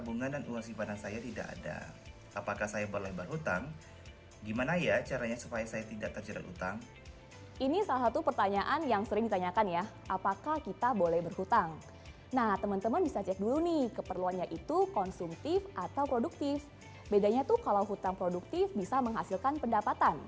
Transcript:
bedanya tuh kalau utang produktif bisa menghasilkan pendapatan